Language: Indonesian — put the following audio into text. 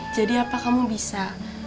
jadi apa kamu bisa